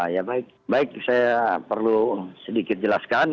ya baik baik saya perlu sedikit jelaskan